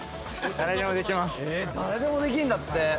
誰でもできるんだって。